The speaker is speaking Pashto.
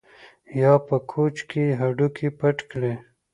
یا په کوچ کې هډوکي پټ کړي